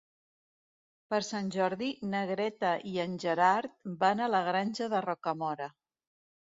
Per Sant Jordi na Greta i en Gerard van a la Granja de Rocamora.